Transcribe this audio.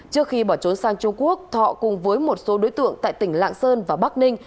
trước khi bỏ trốn sang trung quốc thọ cùng với một số đối tượng tại tỉnh lạng sơn và bắc ninh